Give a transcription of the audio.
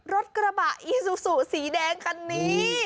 รถกระบะอีซูซูสีแดงคันนี้